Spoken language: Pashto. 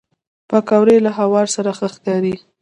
پکورې له هوار سره ښه ښکاري